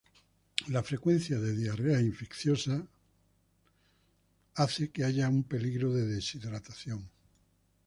La frecuencia de diarreas infecciosas produce que haya un peligro de deshidratación.